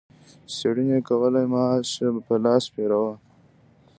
چې څېړنې یې کولې ماشه په لاس پیره و.